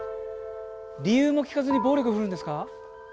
理由も聞かずに暴力振るうんですか。